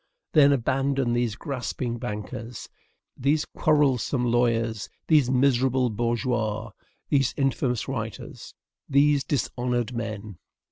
Then abandon these grasping bankers, these quarrelsome lawyers, these miserable bourgeois, these infamous writers, these dishonored men.